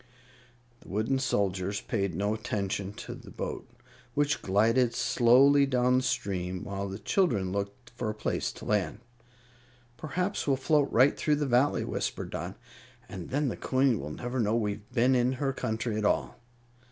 The wooden soldiers paid no attention to the boat, which glided slowly down the stream, while the children looked for a place to land. "Perhaps we'll float right through the Valley," whispered Dot, "and then the Queen will never know we've been in her country at all."